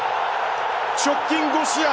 直近５試合